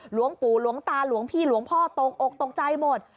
หลวงปู่หลวงตาหลวงพี่หลวงพ่อตกอกตกใจหมด